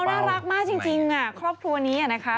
น่ารักมากจริงครอบครัวนี้นะคะ